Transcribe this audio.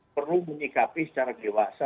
perlu menyikapi secara dewasa